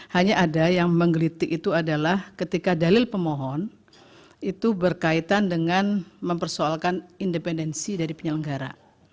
hanya ada yang menggelitik itu adalah ketika dalil pemohon itu berkaitan dengan mempersoalkan independensi dari penyelenggara